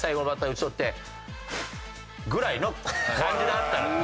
打ち取ってふうぐらいの感じだったの喜びが。